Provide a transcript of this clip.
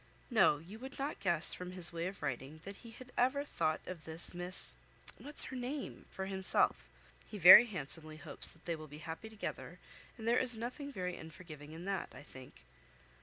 No, you would not guess, from his way of writing, that he had ever thought of this Miss (what's her name?) for himself. He very handsomely hopes they will be happy together; and there is nothing very unforgiving in that, I think."